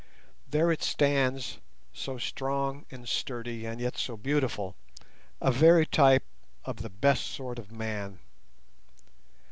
There it stands so strong and sturdy, and yet so beautiful, a very type of the best sort of man.